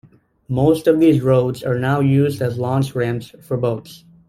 Most of these roads are now used as launch ramps for boats.